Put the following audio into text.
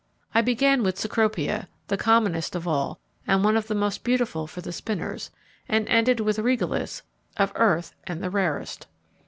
I began with Cecropia, the commonest of all and one of the most beautiful for the spinners, and ended with Regalis, of earth and the rarest.